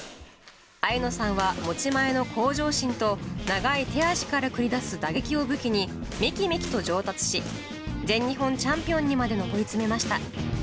愛結菜さんは持ち前の向上心と、長い手足から繰り出す打撃を武器に、めきめきと上達し、全日本チャンピオンにまで上り詰めました。